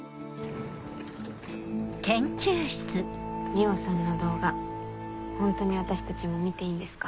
海音さんの動画ホントに私たちも見ていいんですか？